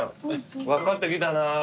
分かってきたな。